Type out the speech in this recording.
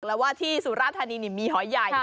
แล้วว่าที่สุราธานีมีหอยใหญ่